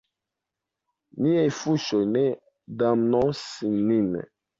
Niaj fuŝoj ne damnos nin.